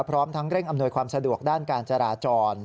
พร้อมทั้งเร่งอำนวยความสะดวกด้านการจราจร